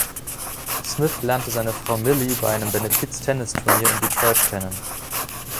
Smith lernte seine Frau Millie bei einem Benefiztennisturnier in Detroit kennen.